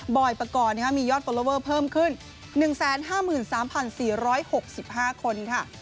บ่อยประกอดมียอดเพิ่มขึ้น๑๕๓๔๖๕คนค่ะ